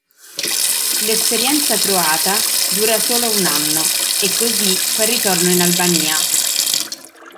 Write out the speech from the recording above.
L'esperienza croata dura solo un anno, e così fa ritorno in Albania.